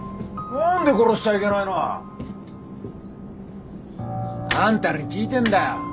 何で殺しちゃいけないの？あんたに聞いてんだよ。